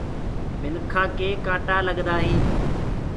منکآ ڪي ڪآٽآ لگدآ هينٚ۔